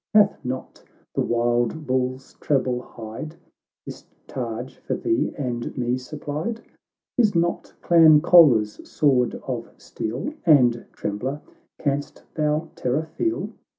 Hath not the wild bull's treble hide This targe for thee and me supplied ? Is not Clan Colla's sword of steel ? And, trembler, canst thou terror feel